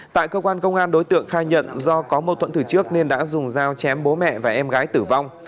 tại công an công an đối tượng khai nhận do có mâu thuận từ trước nên đã dùng dao chém bố mẹ và em gái tử vong